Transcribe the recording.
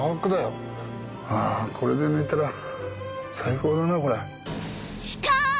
ああこれで寝たら最高だなこれ。